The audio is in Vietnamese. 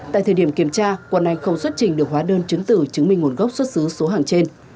tại thời điểm kiểm tra quần anh không xuất trình được hóa đơn chứng tử chứng minh nguồn gốc xuất xứ số hàng trên